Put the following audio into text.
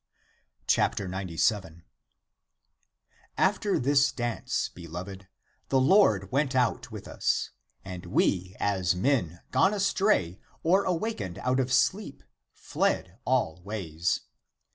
Amen. ' 97.^'^ "After this dance, beloved, the Lord went out with us; and we as men gone astray or awakened out of sleep fled all ways.